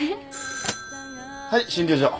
はい診療所。